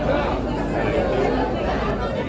saya berikan banyak